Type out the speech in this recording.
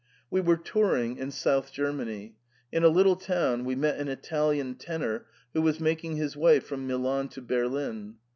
'* We were touring in South Germany. In a little town we met an Italian tenor who was making his way from Milan to Berlin.